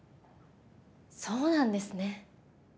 そうなんですね。